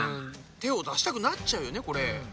手を出したくなっちゃうよねこれ。